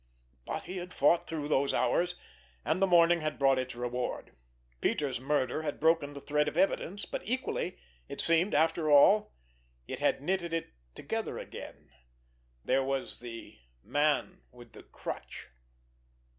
But he had fought through those hours, and the morning had brought its reward. Peters' murder had broken the thread of evidence, but equally, it seemed, after all, it had knitted it together again—there was the Man with the Crutch.